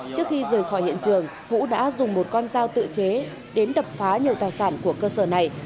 trước khi rời khỏi hiện trường vũ đã dùng một con dao tự chế đến đập phá nhiều tài sản của cơ sở này